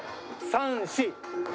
３４。